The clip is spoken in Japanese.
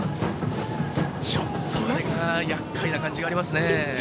ちょっとやっかいな感じがありますね。